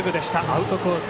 アウトコース